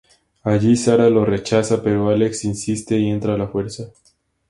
Allí, Sara lo rechaza, pero Álex insiste y entra a la fuerza.